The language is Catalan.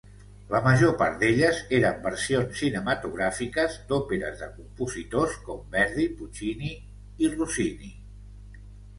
La major part d'elles eren versions cinematogràfiques d'òperes de compositors com Verdi, Puccini i Rossini.